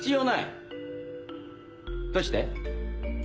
どうして？